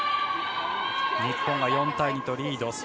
日本が４対２とリード。